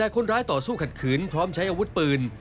แต่คนร้ายต่อสู้ขัดขืนพร้อมใช้อาวุธปืน